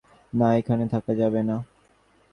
না, এখানে থাকা যাবে না।